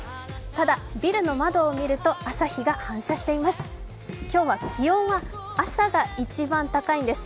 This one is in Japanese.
ただビルの窓を見ると朝日が反射しています。